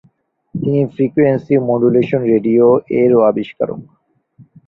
তিনি frequency modulation radio এরও আবিষ্কারক।